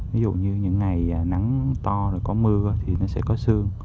ví dụ như những ngày nắng to rồi có mưa thì nó sẽ có sương